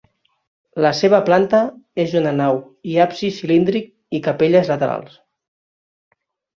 La seva planta és una nau i absis cilíndric i capelles laterals.